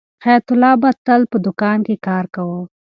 حیات الله به تل په دوکان کې کار کاوه.